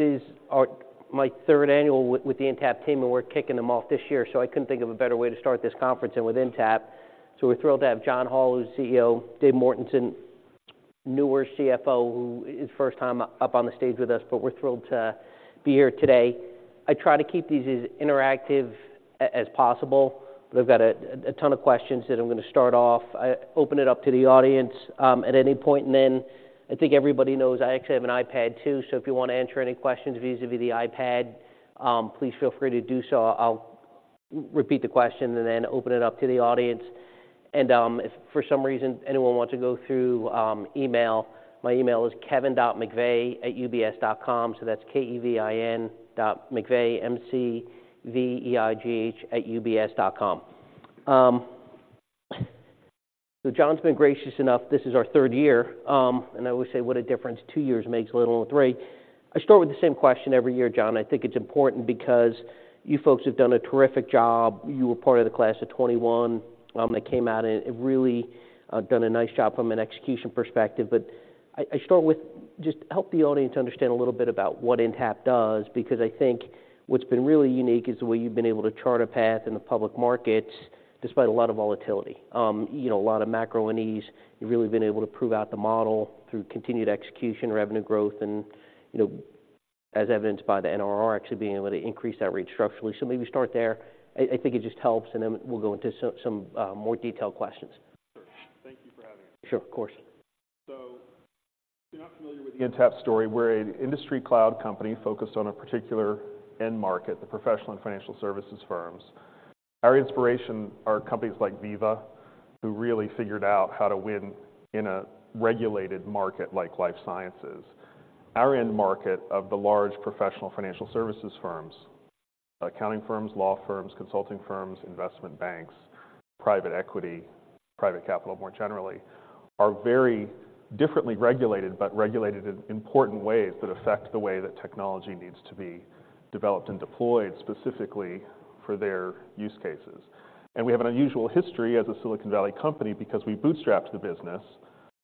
This is my third annual with the Intapp team, and we're kicking them off this year, so I couldn't think of a better way to start this conference than with Intapp. So we're thrilled to have John Hall, who's CEO, David Morton, newer CFO, whose first time up on the stage with us, but we're thrilled to be here today. I try to keep these as interactive as possible. I've got a ton of questions that I'm going to start off. I open it up to the audience at any point, and then I think everybody knows I actually have an iPad too. So if you want to answer any questions vis-à-vis the iPad, please feel free to do so. I'll repeat the question and then open it up to the audience. If for some reason anyone wants to go through email, my email is kevin.mcveigh@ubs.com. So that's K-E-V-I-N dot McVeigh, M-C-V-E-I-G-H @ubs.com. So John's been gracious enough. This is our third year, and I always say, what a difference two years makes, let alone three. I start with the same question every year, John. I think it's important because you folks have done a terrific job. You were part of the class of 2021, that came out and really done a nice job from an execution perspective. But I start with just help the audience understand a little bit about what Intapp does, because I think what's been really unique is the way you've been able to chart a path in the public markets, despite a lot of volatility. You know, a lot of macro unease. You've really been able to prove out the model through continued execution, revenue growth and, you know, as evidenced by the NRR actually being able to increase that rate structurally. So maybe start there. I think it just helps, and then we'll go into some more detailed questions. Thank you for having us. Sure. Of course. So if you're not familiar with the Intapp story, we're an industry cloud company focused on a particular end market, the professional and financial services firms. Our inspiration are companies like Veeva, who really figured out how to win in a regulated market like life sciences. Our end market of the large professional financial services firms, accounting firms, law firms, consulting firms, investment banks, private equity, private capital, more generally, are very differently regulated, but regulated in important ways that affect the way that technology needs to be developed and deployed specifically for their use cases. And we have an unusual history as a Silicon Valley company because we bootstrapped the business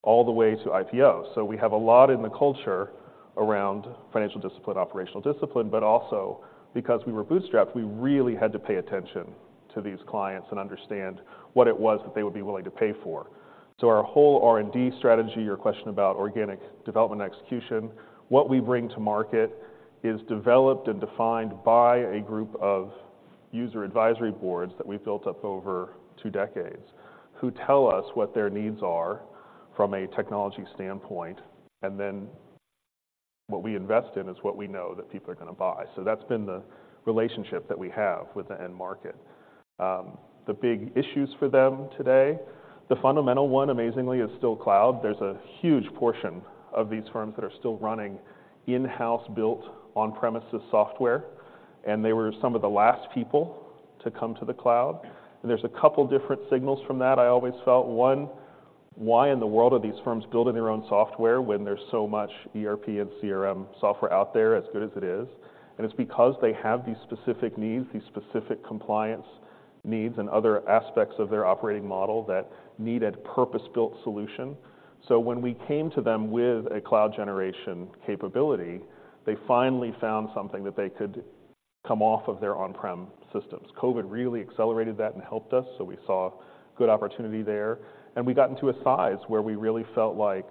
all the way to IPO. So we have a lot in the culture around financial discipline, operational discipline, but also because we were bootstrapped, we really had to pay attention to these clients and understand what it was that they would be willing to pay for. So our whole R&D strategy, your question about organic development and execution, what we bring to market is developed and defined by a group of user advisory boards that we've built up over two decades, who tell us what their needs are from a technology standpoint, and then what we invest in is what we know that people are going to buy. So that's been the relationship that we have with the end market. The big issues for them today, the fundamental one, amazingly, is still cloud. There's a huge portion of these firms that are still running in-house, built on-premises software, and they were some of the last people to come to the cloud. There's a couple different signals from that. I always felt one, why in the world are these firms building their own software when there's so much ERP and CRM software out there, as good as it is? It's because they have these specific needs, these specific compliance needs and other aspects of their operating model that need a purpose-built solution. When we came to them with a cloud generation capability, they finally found something that they could come off of their on-prem systems. COVID really accelerated that and helped us, so we saw good opportunity there. And we gotten to a size where we really felt like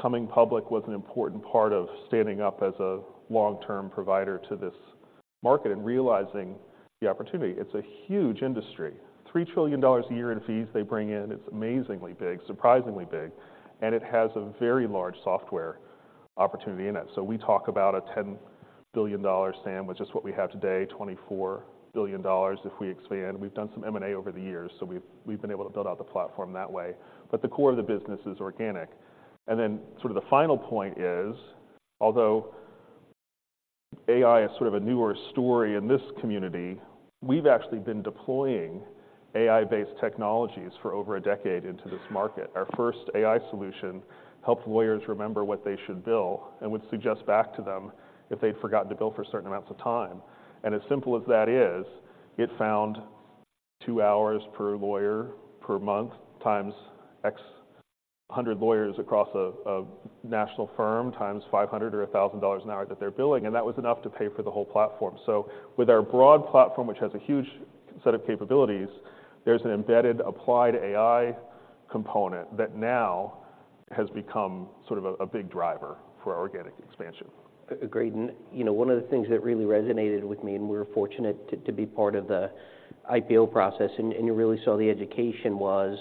coming public was an important part of standing up as a long-term provider to this market and realizing the opportunity. It's a huge industry. $3 trillion a year in fees they bring in. It's amazingly big, surprisingly big, and it has a very large software opportunity in it. So we talk about a $10 billion SAM, which is what we have today, $24 billion if we expand. We've done some M&A over the years, so we've, we've been able to build out the platform that way, but the core of the business is organic. And then sort of the final point is, although AI is sort of a newer story in this community, we've actually been deploying AI-based technologies for over a decade into this market. Our first AI solution helped lawyers remember what they should bill and would suggest back to them if they'd forgotten to bill for certain amounts of time. As simple as that is, it found 2 hours per lawyer per month, times x 100 lawyers across a national firm, times $500 or $1,000 an hour that they're billing, and that was enough to pay for the whole platform. With our broad platform, which has a huge set of capabilities, there's an embedded applied AI component that now has become sort of a big driver for our organic expansion. Agreed. And, you know, one of the things that really resonated with me, and we're fortunate to be part of the IPO process, and you really saw the education was,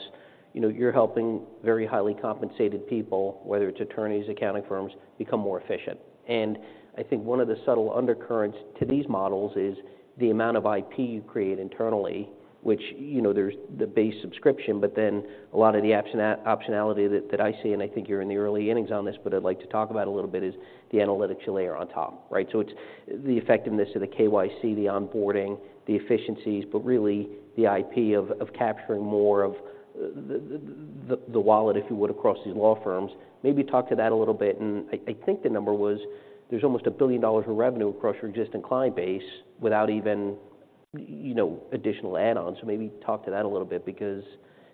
you know, you're helping very highly compensated people, whether it's attorneys, accounting firms, become more efficient. And I think one of the subtle undercurrents to these models is the amount of IP you create internally, which, you know, there's the base subscription, but then a lot of the optionality that I see, and I think you're in the early innings on this, but I'd like to talk about a little bit, is the analytics layer on top, right? So it's the effectiveness of the KYC, the onboarding, the efficiencies, but really the IP of capturing more of the wallet, if you would, across these law firms. Maybe talk to that a little bit. I think the number was there's almost $1 billion in revenue across your existing client base without even... you know, additional add-ons. So maybe talk to that a little bit, because,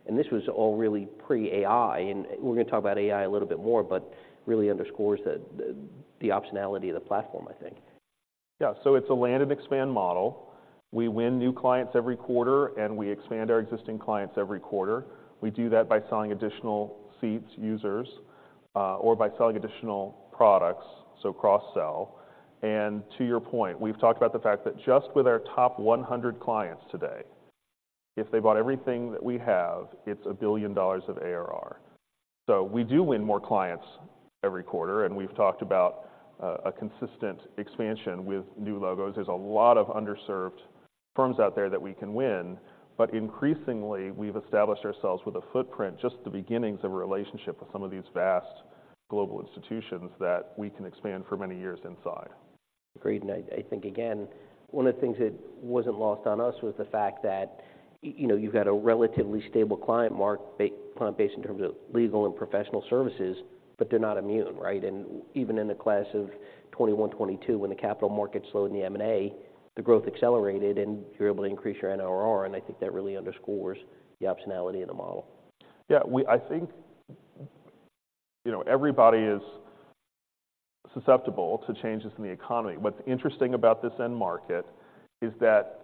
and this was all really pre-AI, and we're going to talk about AI a little bit more, but really underscores the optionality of the platform, I think. Yeah. So it's a land-and-expand model. We win new clients every quarter, and we expand our existing clients every quarter. We do that by selling additional seats, users, or by selling additional products, so cross-sell. And to your point, we've talked about the fact that just with our top 100 clients today, if they bought everything that we have, it's $1 billion of ARR. So we do win more clients every quarter, and we've talked about a consistent expansion with new logos. There's a lot of underserved firms out there that we can win, but increasingly, we've established ourselves with a footprint, just the beginnings of a relationship with some of these vast global institutions that we can expand for many years inside. Great. And I think, again, one of the things that wasn't lost on us was the fact that, you know, you've got a relatively stable client base in terms of legal and professional services, but they're not immune, right? And even in the class of 2021, 2022, when the capital market slowed in the M&A, the growth accelerated, and you were able to increase your NRR, and I think that really underscores the optionality in the model. Yeah, we—I think, you know, everybody is susceptible to changes in the economy. What's interesting about this end market is that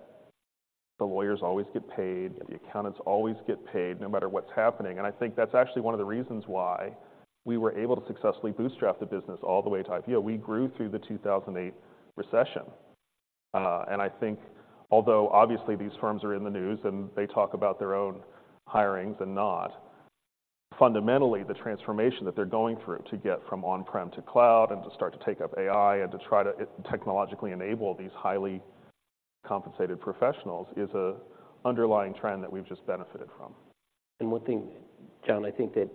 the lawyers always get paid, and the accountants always get paid, no matter what's happening. And I think that's actually one of the reasons why we were able to successfully bootstrap the business all the way to IPO. We grew through the 2008 recession. And I think although obviously these firms are in the news and they talk about their own hirings and not, fundamentally, the transformation that they're going through to get from on-prem to cloud and to start to take up AI and to try to technologically enable these highly compensated professionals, is a underlying trend that we've just benefited from. And one thing, John, I think that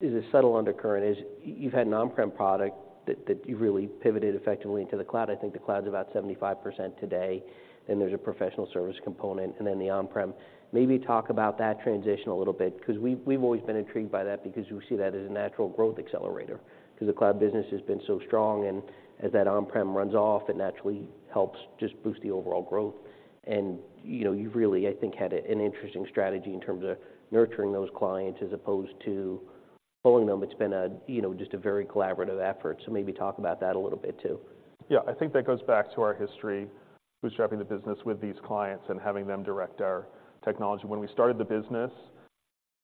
is a subtle undercurrent is you've had an on-prem product that, that you really pivoted effectively into the cloud. I think the cloud's about 75% today, and there's a professional service component, and then the on-prem. Maybe talk about that transition a little bit, because we've always been intrigued by that, because we see that as a natural growth accelerator. Because the cloud business has been so strong, and as that on-prem runs off, it naturally helps just boost the overall growth. And, you know, you've really, I think, had an interesting strategy in terms of nurturing those clients as opposed to pulling them. It's been a, you know, just a very collaborative effort. So maybe talk about that a little bit, too. Yeah. I think that goes back to our history, bootstrapping the business with these clients and having them direct our technology. When we started the business,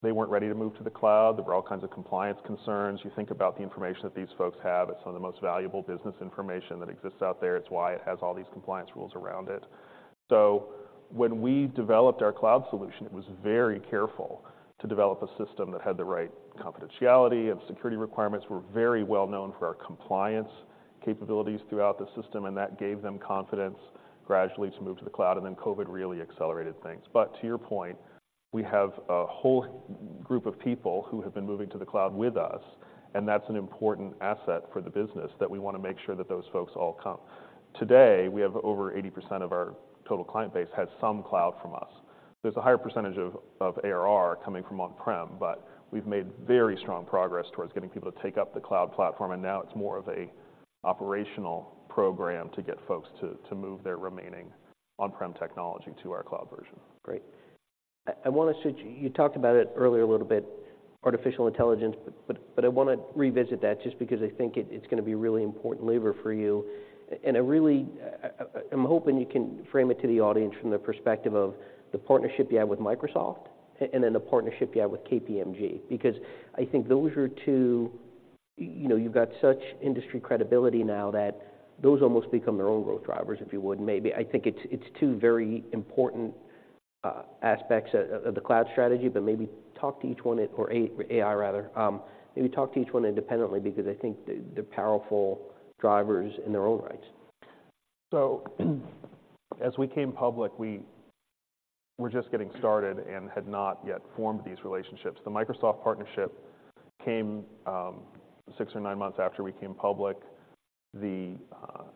they weren't ready to move to the cloud. There were all kinds of compliance concerns. You think about the information that these folks have; it's some of the most valuable business information that exists out there. It's why it has all these compliance rules around it. So when we developed our cloud solution, it was very careful to develop a system that had the right confidentiality and security requirements. We're very well known for our compliance capabilities throughout the system, and that gave them confidence gradually to move to the cloud, and then COVID really accelerated things. But to your point, we have a whole group of people who have been moving to the cloud with us, and that's an important asset for the business, that we want to make sure that those folks all come. Today, we have over 80% of our total client base has some cloud from us. There's a higher percentage of ARR coming from on-prem, but we've made very strong progress towards getting people to take up the cloud platform, and now it's more of a operational program to get folks to move their remaining on-prem technology to our cloud version. Great. I want to switch... You talked about it earlier a little bit, artificial intelligence, but I want to revisit that just because I think it's going to be a really important lever for you. And I really, I'm hoping you can frame it to the audience from the perspective of the partnership you have with Microsoft and then the partnership you have with KPMG, because I think those are two... you know, you've got such industry credibility now that those almost become their own growth drivers, if you would, maybe. I think it's two very important aspects of the cloud strategy, but maybe talk to each one, or AI rather. Maybe talk to each one independently, because I think they're powerful drivers in their own rights. So as we came public, we were just getting started and had not yet formed these relationships. The Microsoft partnership came, 6 or 9 months after we came public.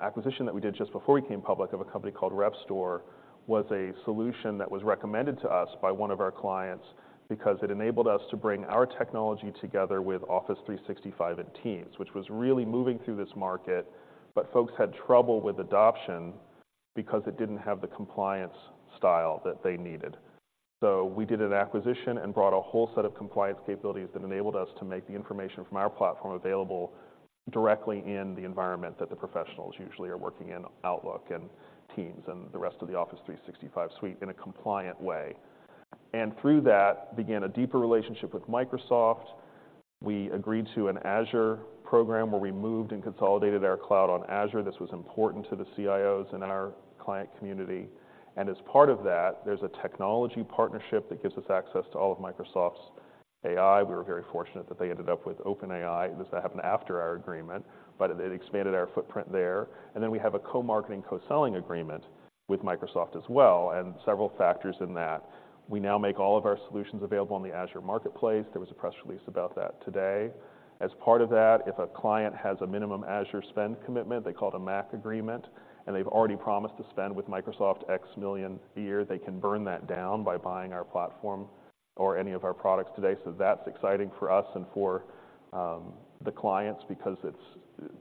The acquisition that we did just before we came public, of a company called Repstor, was a solution that was recommended to us by one of our clients because it enabled us to bring our technology together with Office 365 and Teams, which was really moving through this market. But folks had trouble with adoption because it didn't have the compliance style that they needed. So we did an acquisition and brought a whole set of compliance capabilities that enabled us to make the information from our platform available directly in the environment that the professionals usually are working in, Outlook and Teams, and the rest of the Office 365 suite, in a compliant way. And through that began a deeper relationship with Microsoft. We agreed to an Azure program, where we moved and consolidated our cloud on Azure. This was important to the CIOs in our client community. And as part of that, there's a technology partnership that gives us access to all of Microsoft's AI. We were very fortunate that they ended up with OpenAI. This happened after our agreement, but it expanded our footprint there. And then we have a co-marketing, co-selling agreement with Microsoft as well, and several factors in that. We now make all of our solutions available on the Azure Marketplace. There was a press release about that today. As part of that, if a client has a minimum Azure spend commitment, they call it a MACC agreement, and they've already promised to spend with Microsoft $X million a year, they can burn that down by buying our platform.... or any of our products today. So that's exciting for us and for the clients, because it's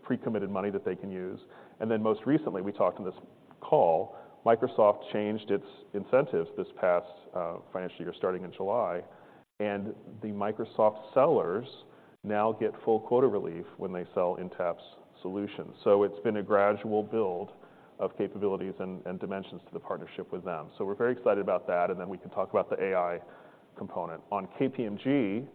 pre-committed money that they can use. And then, most recently, we talked on this call, Microsoft changed its incentives this past financial year, starting in July, and the Microsoft sellers now get full quota relief when they sell Intapp's solution. So it's been a gradual build of capabilities and dimensions to the partnership with them. So we're very excited about that, and then we can talk about the AI component. On KPMG,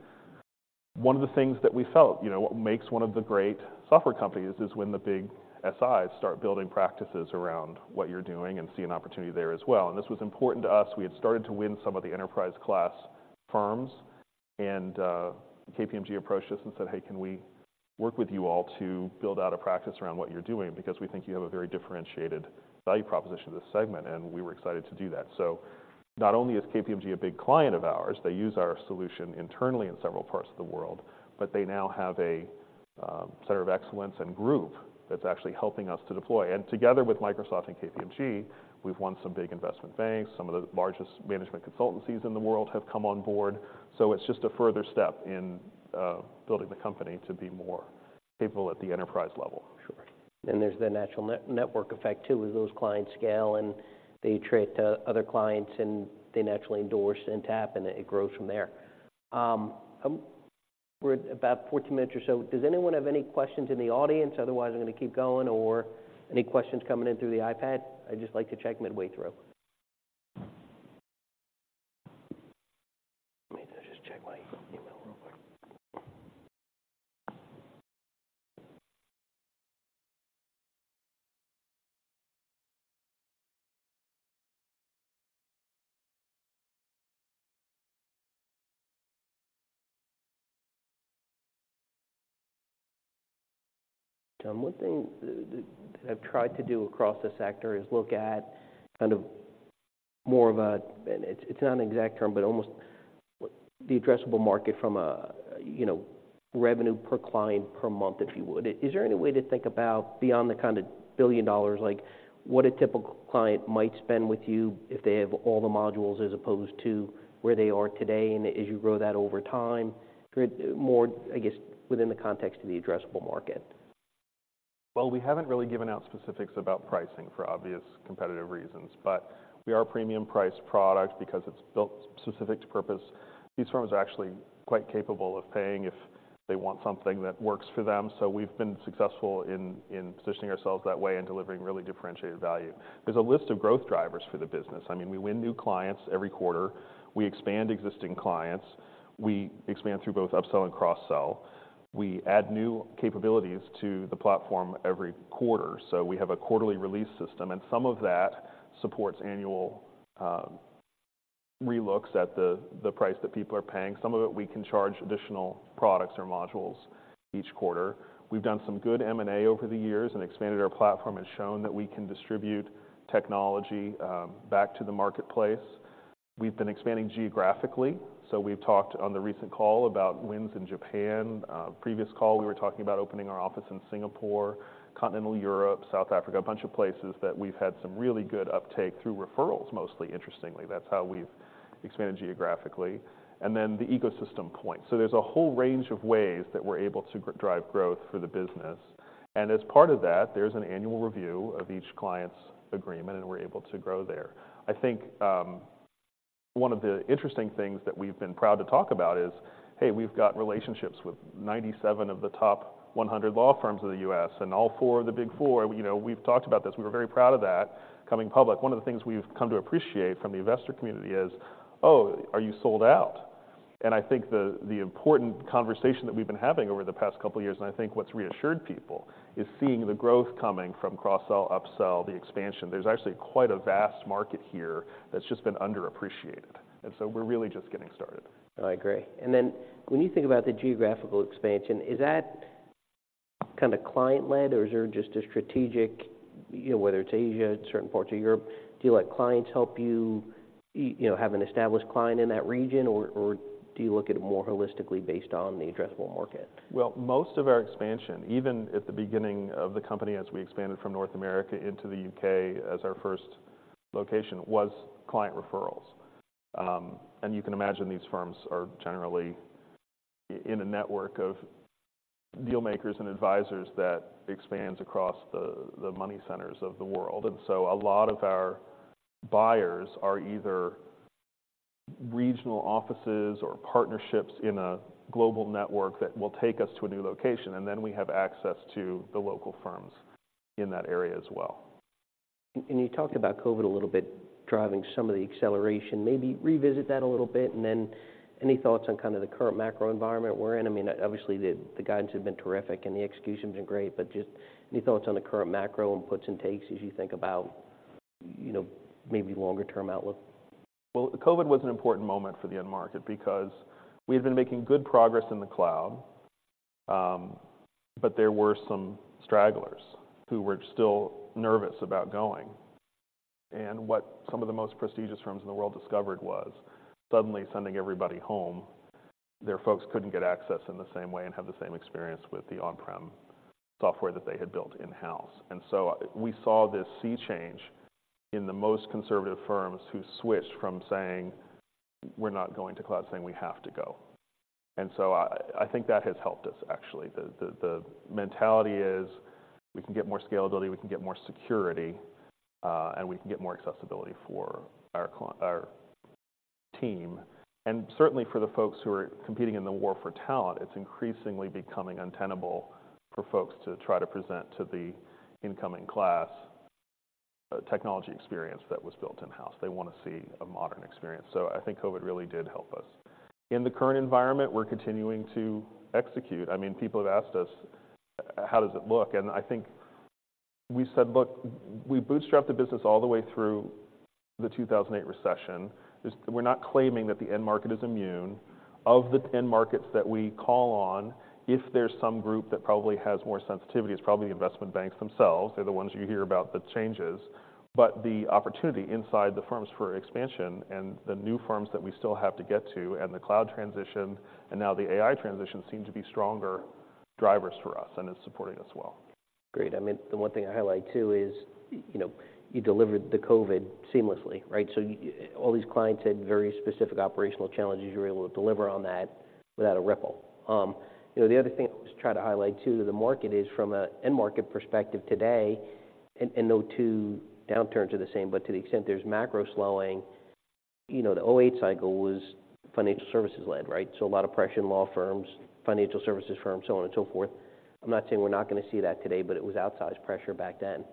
one of the things that we felt, you know, what makes one of the great software companies is when the big SIs start building practices around what you're doing and see an opportunity there as well. And this was important to us. We had started to win some of the enterprise-class firms, and KPMG approached us and said: "Hey, can we work with you all to build out a practice around what you're doing? Because we think you have a very differentiated value proposition to this segment," and we were excited to do that. So not only is KPMG a big client of ours, they use our solution internally in several parts of the world, but they now have a center of excellence and group that's actually helping us to deploy. And together with Microsoft and KPMG, we've won some big investment banks. Some of the largest management consultancies in the world have come on board. So it's just a further step in building the company to be more capable at the enterprise level. Sure. And there's the natural network effect, too, as those clients scale, and they attract other clients, and they naturally endorse Intapp, and it grows from there. We're at about 14 minutes or so. Does anyone have any questions in the audience? Otherwise, I'm gonna keep going. Or any questions coming in through the iPad? I just like to check midway through. Let me just check my email real quick. One thing that I've tried to do across this sector is look at kind of more of a... And it's not an exact term, but almost the addressable market from a, you know, revenue per client per month, if you would. Is there any way to think about beyond the kind of $1 billion, like what a typical client might spend with you if they have all the modules, as opposed to where they are today, and as you grow that over time, create more, I guess, within the context of the addressable market? Well, we haven't really given out specifics about pricing for obvious competitive reasons, but we are a premium price product because it's built specific to purpose. These firms are actually quite capable of paying if they want something that works for them, so we've been successful in positioning ourselves that way and delivering really differentiated value. There's a list of growth drivers for the business. I mean, we win new clients every quarter. We expand existing clients. We expand through both upsell and cross-sell. We add new capabilities to the platform every quarter, so we have a quarterly release system, and some of that supports annual relooks at the price that people are paying. Some of it, we can charge additional products or modules each quarter. We've done some good M&A over the years and expanded our platform and shown that we can distribute technology back to the marketplace. We've been expanding geographically, so we've talked on the recent call about wins in Japan. Previous call, we were talking about opening our office in Singapore, continental Europe, South Africa, a bunch of places that we've had some really good uptake through referrals, mostly interestingly. That's how we've expanded geographically. And then the ecosystem point. So there's a whole range of ways that we're able to drive growth for the business, and as part of that, there's an annual review of each client's agreement, and we're able to grow there. I think, one of the interesting things that we've been proud to talk about is, hey, we've got relationships with 97 of the top 100 law firms in the U.S., and all four of the Big Four. You know, we've talked about this. We were very proud of that coming public. One of the things we've come to appreciate from the investor community is: "Oh, are you sold out?" And I think the, the important conversation that we've been having over the past couple of years, and I think what's reassured people, is seeing the growth coming from cross-sell, upsell, the expansion. There's actually quite a vast market here that's just been underappreciated, and so we're really just getting started. I agree. And then when you think about the geographical expansion, is that kind of client-led, or is there just a strategic... You know, whether it's Asia, certain parts of Europe, do you let clients help you, you know, have an established client in that region, or, or do you look at it more holistically based on the addressable market? Well, most of our expansion, even at the beginning of the company as we expanded from North America into the U.K. as our first location, was client referrals. And you can imagine these firms are generally in a network of deal makers and advisors that expands across the money centers of the world. And so a lot of our buyers are either regional offices or partnerships in a global network that will take us to a new location, and then we have access to the local firms in that area as well. And you talked about COVID a little bit, driving some of the acceleration. Maybe revisit that a little bit, and then any thoughts on kind of the current macro environment we're in? I mean, obviously, the guidance have been terrific, and the execution's been great, but just any thoughts on the current macro inputs and takes as you think about, you know, maybe longer-term outlook? Well, COVID was an important moment for the end market because we had been making good progress in the cloud, but there were some stragglers who were still nervous about going. And what some of the most prestigious firms in the world discovered was suddenly sending everybody home, their folks couldn't get access in the same way and have the same experience with the on-prem software that they had built in-house. And so we saw this sea change in the most conservative firms who switched from saying, "We're not going to cloud," saying, "We have to go." And so I think that has helped us actually. The mentality is: we can get more scalability, we can get more security, and we can get more accessibility for our team. Certainly for the folks who are competing in the war for talent, it's increasingly becoming untenable for folks to try to present to the incoming class a technology experience that was built in-house. They wanna see a modern experience. So I think COVID really did help us. In the current environment, we're continuing to execute. I mean, people have asked us, "How does it look?" And I think we said: Look, we bootstrapped the business all the way through the 2008 recession. We're not claiming that the end market is immune. Of the end markets that we call on, if there's some group that probably has more sensitivity, it's probably the investment banks themselves. They're the ones you hear about the changes. But the opportunity inside the firms for expansion and the new firms that we still have to get to, and the cloud transition, and now the AI transition, seem to be stronger drivers for us, and it's supporting us well. Great. I mean, the one thing I highlight, too, is, you know, you delivered the COVID seamlessly, right? So all these clients had very specific operational challenges. You were able to deliver on that without a ripple. You know, the other thing I always try to highlight, too, to the market is from an end market perspective today, and no two downturns are the same, but to the extent there's macro slowing, you know, the '08 cycle was financial services-led, right? So a lot of pressure in law firms, financial services firms, so on and so forth. I'm not saying we're not gonna see that today, but it was outsized pressure back then.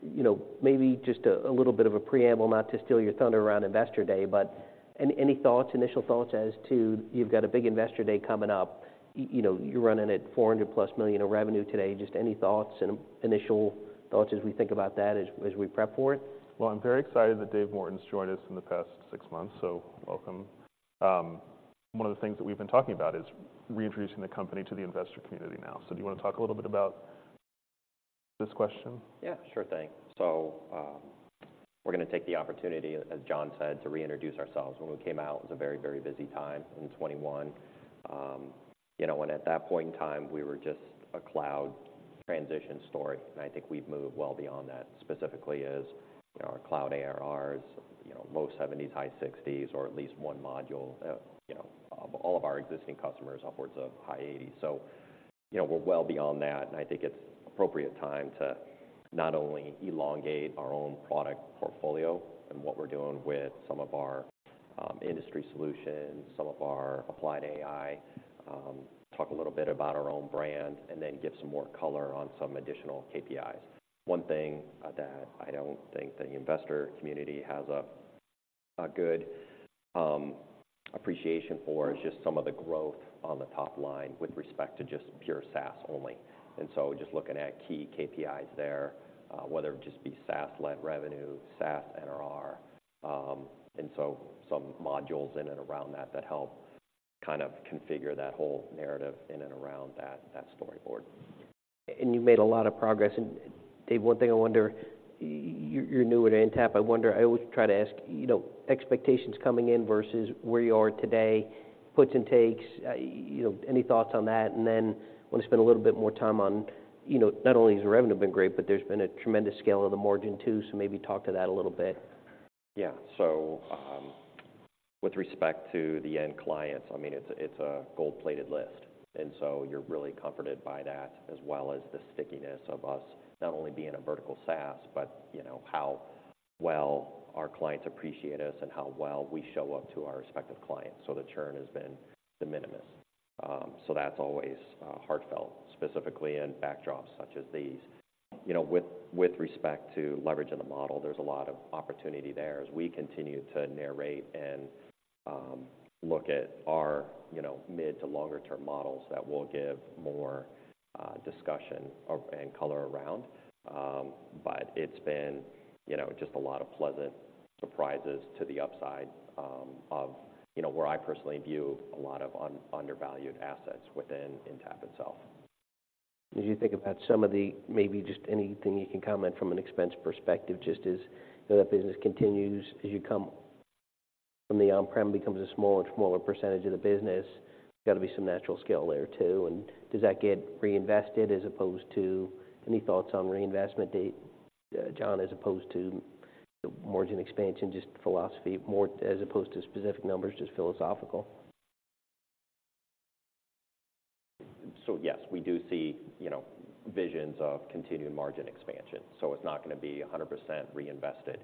You know, maybe just a little bit of a preamble, not to steal your thunder around Investor Day, but any initial thoughts as to... You've got a big Investor Day coming up. You know, you're running at $400+ million of revenue today. Just any thoughts and initial thoughts as we think about that, as we prep for it? Well, I'm very excited that Dave Morton's joined us in the past six months, so welcome. One of the things that we've been talking about is reintroducing the company to the investor community now. So do you wanna talk a little bit about this question? Yeah, sure thing. So, we're gonna take the opportunity, as John said, to reintroduce ourselves. When we came out, it was a very, very busy time in 2021. You know, and at that point in time, we were just a cloud transition story, and I think we've moved well beyond that. Specifically as, you know, our cloud ARRs, you know, low 70s, high 60s, or at least one module, you know, all of our existing customers, upwards of high 80s. So, you know, we're well beyond that, and I think it's appropriate time to not only elongate our own product portfolio and what we're doing with some of our industry solutions, some of our applied AI, talk a little bit about our own brand, and then give some more color on some additional KPIs. One thing that I don't think the investor community has a good appreciation for is just some of the growth on the top line with respect to just pure SaaS only. So just looking at key KPIs there, whether it just be SaaS-led revenue, SaaS NRR, and so some modules in and around that that help kind of configure that whole narrative in and around that storyboard. You've made a lot of progress. Dave, one thing I wonder, you're new at Intapp. I wonder... I always try to ask, you know, expectations coming in versus where you are today, puts and takes, you know, any thoughts on that? And then wanna spend a little bit more time on, you know, not only has the revenue been great, but there's been a tremendous scale of the margin, too. Maybe talk to that a little bit. Yeah. So, with respect to the end clients, I mean, it's a gold-plated list, and so you're really comforted by that, as well as the stickiness of us not only being a vertical SaaS, but you know, how well our clients appreciate us and how well we show up to our respective clients. So the churn has been de minimis. So that's always heartfelt, specifically in backdrops such as these. You know, with respect to leverage in the model, there's a lot of opportunity there as we continue to narrate and look at our, you know, mid to longer term models that will give more discussion and color around. But it's been, you know, just a lot of pleasant surprises to the upside, of, you know, where I personally view a lot of undervalued assets within Intapp itself. As you think about some of the... Maybe just anything you can comment from an expense perspective, just as, you know, that business continues, as you come from the on-prem becomes a smaller and smaller percentage of the business, there's got to be some natural scale there, too. And does that get reinvested as opposed to... Any thoughts on reinvestment, Dave, John, as opposed to the margin expansion, just philosophy, more as opposed to specific numbers, just philosophical? So yes, we do see, you know, visions of continued margin expansion, so it's not gonna be 100% reinvested.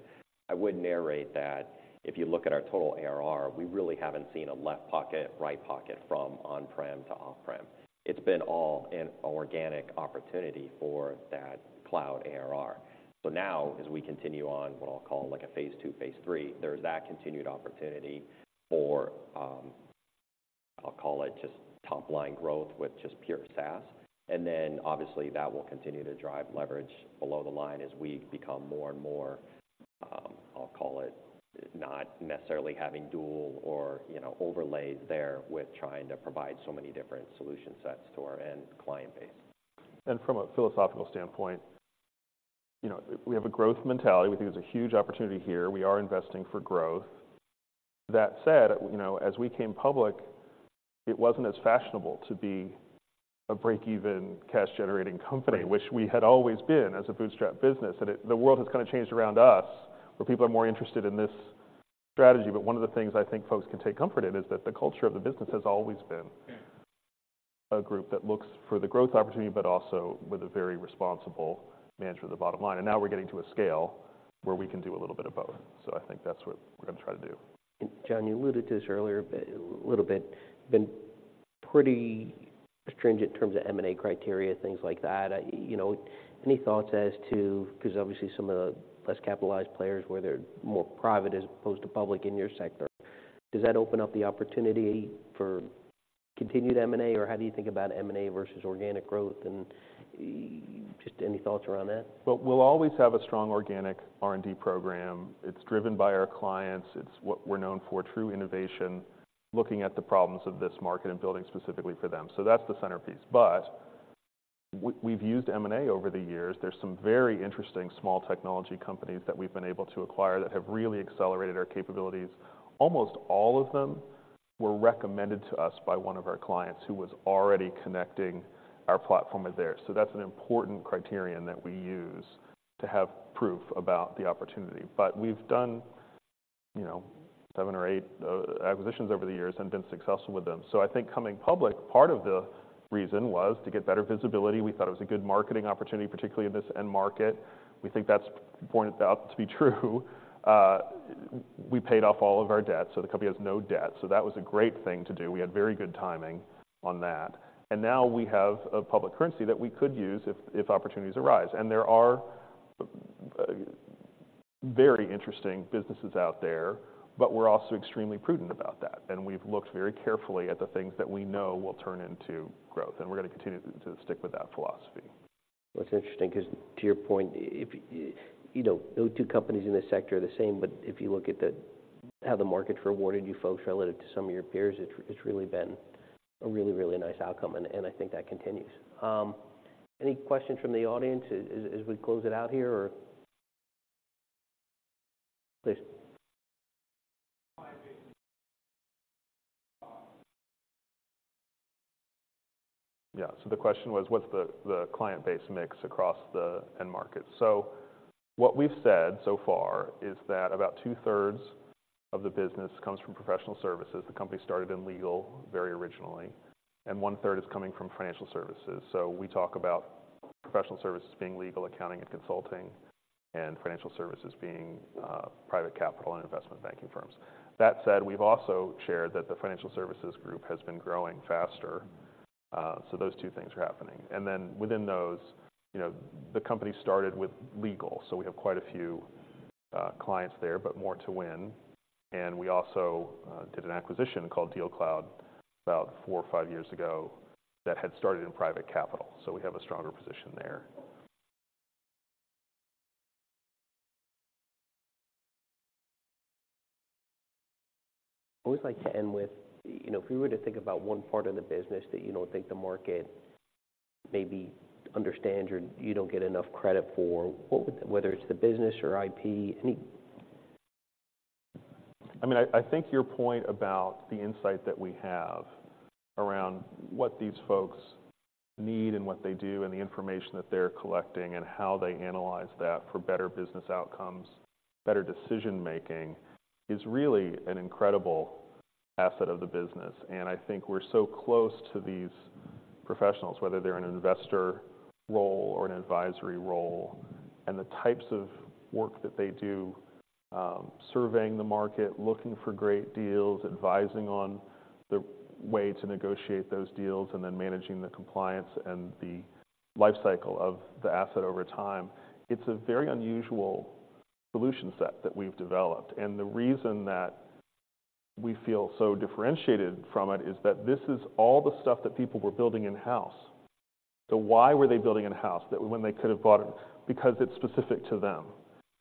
I would narrate that if you look at our total ARR, we really haven't seen a left pocket, right pocket from on-prem to off-prem. It's been all an organic opportunity for that cloud ARR. So now, as we continue on what I'll call like a phase two, phase three, there's that continued opportunity for, I'll call it just top-line growth with just pure SaaS. And then, obviously, that will continue to drive leverage below the line as we become more and more, I'll call it, not necessarily having dual or, you know, overlays there with trying to provide so many different solution sets to our end client base. From a philosophical standpoint, you know, we have a growth mentality. We think there's a huge opportunity here. We are investing for growth. That said, you know, as we came public, it wasn't as fashionable to be a break-even, cash-generating company, which we had always been as a bootstrap business, and it, the world has kind of changed around us, where people are more interested in this strategy. But one of the things I think folks can take comfort in is that the culture of the business has always been a group that looks for the growth opportunity, but also with a very responsible management of the bottom line. And now we're getting to a scale where we can do a little bit of both. So I think that's what we're going to try to do. And John, you alluded to this earlier, but a little bit. Been pretty stringent in terms of M&A criteria, things like that. You know, any thoughts as to... Because obviously some of the less capitalized players, where they're more private as opposed to public in your sector, does that open up the opportunity for continued M&A? Or how do you think about M&A versus organic growth, and just any thoughts around that? Well, we'll always have a strong organic R&D program. It's driven by our clients. It's what we're known for, true innovation, looking at the problems of this market and building specifically for them. So that's the centerpiece. But we've used M&A over the years. There's some very interesting small technology companies that we've been able to acquire that have really accelerated our capabilities. Almost all of them were recommended to us by one of our clients who was already connecting our platform with theirs. So that's an important criterion that we use to have proof about the opportunity. But we've done, you know, seven or eight acquisitions over the years and been successful with them. So I think coming public, part of the reason was to get better visibility. We thought it was a good marketing opportunity, particularly in this end market. We think that's pointed out to be true. We paid off all of our debt, so the company has no debt, so that was a great thing to do. We had very good timing on that. And now we have a public currency that we could use if opportunities arise. And there are very interesting businesses out there, but we're also extremely prudent about that, and we've looked very carefully at the things that we know will turn into growth, and we're going to continue to stick with that philosophy. Well, it's interesting because to your point, if you know, no two companies in this sector are the same, but if you look at how the market's rewarded you folks relative to some of your peers, it's really been a really, really nice outcome, and I think that continues. Any questions from the audience as we close it out here or? Please. Yeah. So the question was: What's the client base mix across the end market? So what we've said so far is that about two-thirds of the business comes from professional services. The company started in legal, very originally, and one-third is coming from financial services. So we talk about professional services being legal, accounting, and consulting, and financial services being private capital and investment banking firms. That said, we've also shared that the financial services group has been growing faster, so those two things are happening. And then within those, you know, the company started with legal, so we have quite a few clients there, but more to win. And we also did an acquisition called DealCloud, about 4 or 5 years ago, that had started in private capital, so we have a stronger position there. I wish I'd end with... You know, if we were to think about one part of the business that you don't think the market maybe understand or you don't get enough credit for, what would-- whether it's the business or IP, any- I mean, I think your point about the insight that we have around what these folks need and what they do, and the information that they're collecting, and how they analyze that for better business outcomes, better decision-making, is really an incredible asset of the business. I think we're so close to these professionals, whether they're in an investor role or an advisory role, and the types of work that they do, surveying the market, looking for great deals, advising on the way to negotiate those deals, and then managing the compliance and the life cycle of the asset over time. It's a very unusual solution set that we've developed, and the reason that we feel so differentiated from it is that this is all the stuff that people were building in-house. So why were they building in-house, when they could have bought it? Because it's specific to them.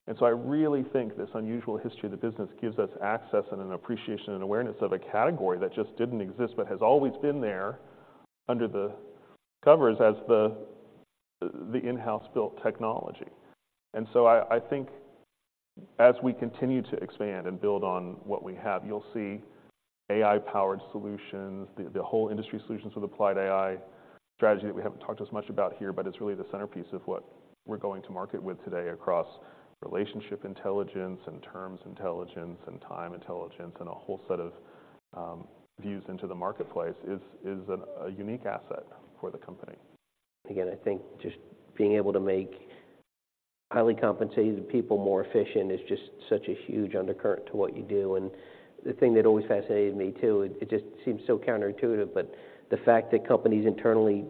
And so I really think this unusual history of the business gives us access and an appreciation and awareness of a category that just didn't exist, but has always been there under the covers as the in-house built technology. And so I think as we continue to expand and build on what we have, you'll see AI-powered solutions, the whole industry solutions with applied AI strategy, that we haven't talked as much about here, but it's really the centerpiece of what we're going to market with today across relationship intelligence and terms intelligence and time intelligence, and a whole set of views into the marketplace, is a unique asset for the company. Again, I think just being able to make highly compensated people more efficient is just such a huge undercurrent to what you do. And the thing that always fascinated me, too. It just seems so counterintuitive, but the fact that companies internally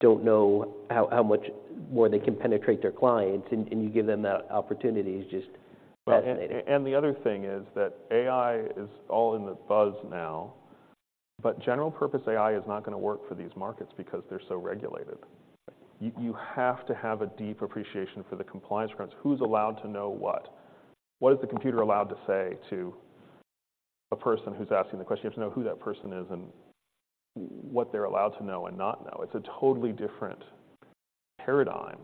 don't know how much more they can penetrate their clients, and you give them that opportunity is just fascinating. Well, the other thing is that AI is all in the buzz now, but general-purpose AI is not gonna work for these markets because they're so regulated. You have to have a deep appreciation for the compliance requirements. Who's allowed to know what? What is the computer allowed to say to a person who's asking the question? You have to know who that person is and what they're allowed to know and not know. It's a totally different paradigm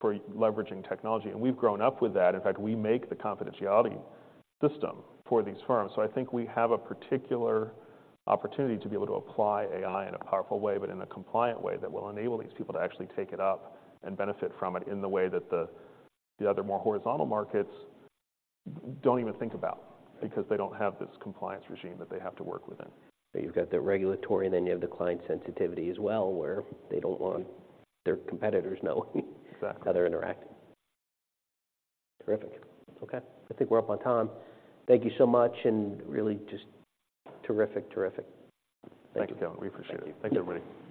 for leveraging technology, and we've grown up with that. In fact, we make the confidentiality system for these firms. So I think we have a particular opportunity to be able to apply AI in a powerful way, but in a compliant way that will enable these people to actually take it up and benefit from it in the way that the other more horizontal markets don't even think about, because they don't have this compliance regime that they have to work within. You've got the regulatory, and then you have the client sensitivity as well, where they don't want their competitors knowing, Exactly. - how they're interacting. Terrific. Okay, I think we're up on time. Thank you so much, and really just terrific, terrific. Thank you, Kevin. We appreciate it. Thanks. Thank you, everybody.